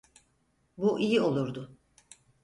Bu iyi olurdu.